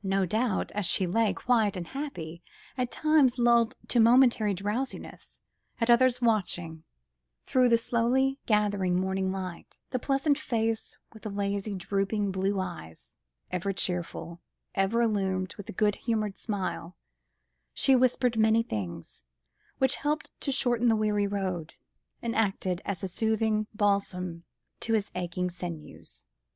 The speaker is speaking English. . no doubt, as she lay, quiet and happy, at times lulled to momentary drowsiness, at others watching, through the slowly gathering morning light, the pleasant face with the lazy, drooping blue eyes, ever cheerful, ever illumined with a good humoured smile, she whispered many things, which helped to shorten the weary road, and acted as a soothing balsam to his aching sinews.